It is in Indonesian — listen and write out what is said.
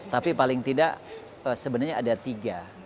tapi paling tidak sebenarnya ada tiga